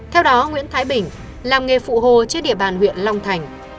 theo đó nguyễn thái bình làm nghề phụ hồ trên địa bàn huyện long thành